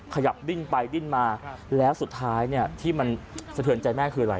ขยับดิ้นไปดิ้นมาแล้วสุดท้ายเนี่ยที่มันสะเทือนใจแม่คืออะไร